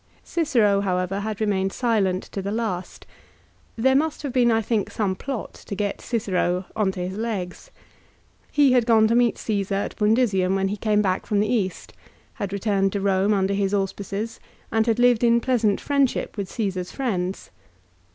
Cicero, however, had remained silent to the last. There must have been, I think, some plot to get Cicero on to his legs. He had gone to meet Csesar at Brundisium when he came back from the East, had returned to Rome under his auspices, and had lived in pleasant friendship with Caesar's friends.